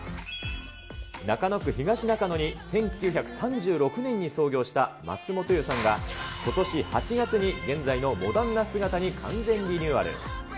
中野区東中野に１９３６年に創業した松本湯さんが、ことし８月に現在のモダンな姿に完全リニューアル。